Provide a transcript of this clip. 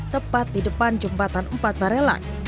tepat di depan jembatan empat barelang